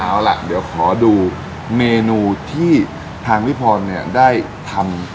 เอาล่ะเดี๋ยวขอดูเมนูที่ทางวิภรณ์ได้ทำ